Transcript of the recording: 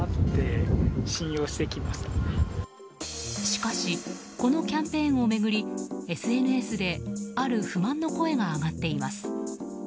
しかしこのキャンペーンを巡りＳＮＳである不満の声が上がっています。